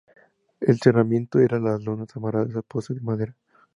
El cerramiento, era de lonas amarradas a postes de madera.